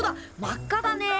真っ赤だね。